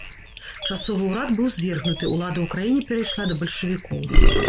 Часовы ўрад быў звергнуты, улада ў краіне перайшла да бальшавікоў.